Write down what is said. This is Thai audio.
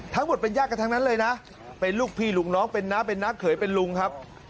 ทั้งหมดเป็นญาติกันทั้งนั้นเลยนะเป็นลูกพี่ลูกน้องเป็นน้าเป็นน้าเขยเป็นลุงครับ